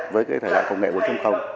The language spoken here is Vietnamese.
với cái thải loại công nghệ bốn